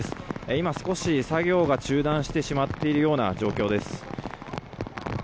今、少し作業が中断してしまっているような状況です。